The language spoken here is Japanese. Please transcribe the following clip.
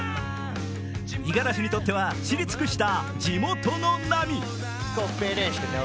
五十嵐にとっては知り尽くした地元の波。